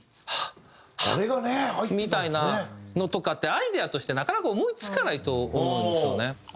「ハッハッ」みたいなのとかってアイデアとしてなかなか思い付かないと思うんですよね。